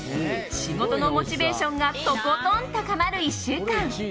仕事のモチベーションがとことん高まる１週間。